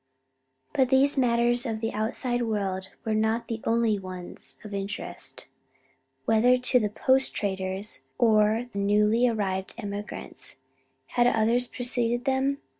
But these matters of the outside world were not the only ones of interest, whether to the post traders or the newly arrived emigrants. Had others preceded them?